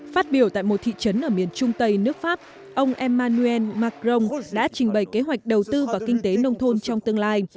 phát biểu tại một thị trấn ở miền trung tây nước pháp ông emmanuel macron đã trình bày kế hoạch đầu tư vào kinh tế nông thôn trong tương lai